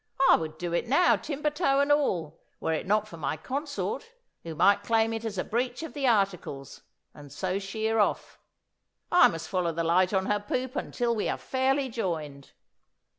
I would do it now, timber toe and all, were it not for my consort, who might claim it as a breach of the articles, and so sheer off. I must follow the light on her poop until we are fairly joined."